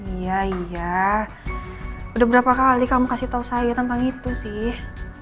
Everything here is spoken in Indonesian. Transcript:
iya iya udah berapa kali kamu kasih tau saya tentang itu sih